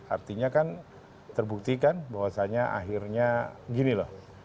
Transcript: artinya kan terbuktikan bahwasannya akhirnya gini loh